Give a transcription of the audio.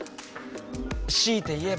しいて言えば。